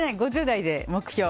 ５０代での目標。